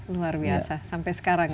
luar biasa sampai sekarang